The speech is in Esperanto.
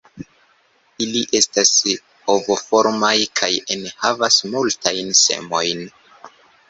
Ili estas ovoformaj kaj enhavas multajn semojn.